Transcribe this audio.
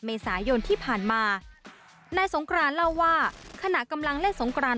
เมษายนที่ผ่านมานายสงกรานเล่าว่าขณะกำลังเล่นสงกราน